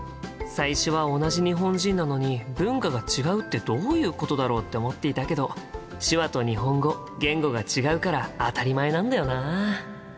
最初は同じ日本人なのに文化が違うってどういうことだろうって思っていたけど手話と日本語言語が違うから当たり前なんだよな。